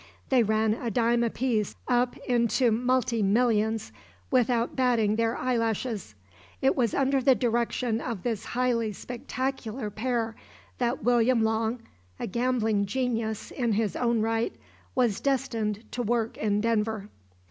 They ran a dime apiece up into multi millions without batting their eye lashes. It was under the direction of this highly spectacular pair that William Long, a gambling genius in his own right, was destined to work in Denver.